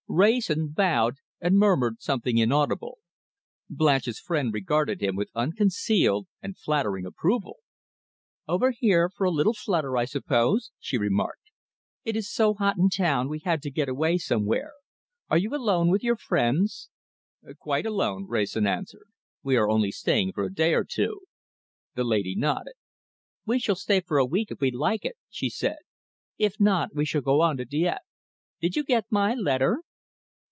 Wrayson bowed, and murmured something inaudible. Blanche's friend regarded him with unconcealed and flattering approval. "Over here for a little flutter, I suppose?" she remarked. "It is so hot in town we had to get away somewhere. Are you alone with your friends?" "Quite alone," Wrayson answered. "We are only staying for a day or two." The lady nodded. "We shall stay for a week if we like it," she said. "If not, we shall go on to Dieppe. Did you get my letter?"